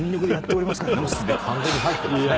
完全に入ってますね。